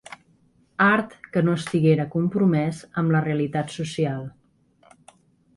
Art que no estiguera compromès amb la realitat social.